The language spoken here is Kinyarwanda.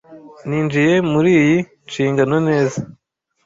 ninjiye muriyi nshingano neza